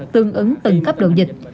tương ứng từng cấp độ dịch